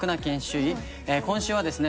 今週はですね